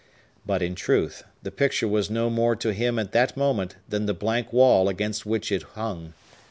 But, in truth, the picture was no more to him at that moment than the blank wall against which it hung.